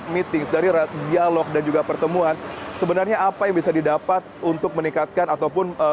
meetings dari dialog dan juga pertemuan sebenarnya apa yang bisa didapat untuk meningkatkan ataupun